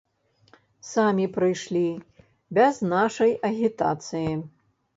Самі прыйшлі, без нашай агітацыі.